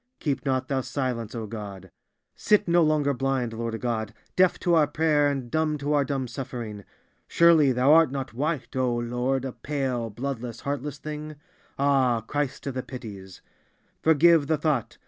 Keep not thou silence, O God! Sit no longer blind, Lord God, deaf to our prayer and dumb to our dumb suffering. Surely Thou too art not white, O Lord, a pale, bloodless, heartless thing? Ah! Christ of all the Pities! Forgive the thought!